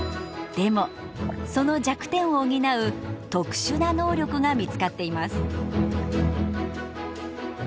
でもその弱点を補う特殊な能力が見つかっています。